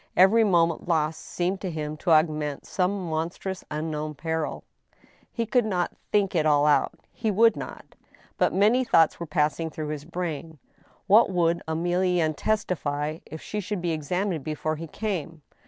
Every moment lost seemed to him to augment some monstrous unknown peril. A WAKENED. 93 He could not think it all out^he would not. But many thoughts were passing through his brain. What would Emilienne testify if she should be examined before he came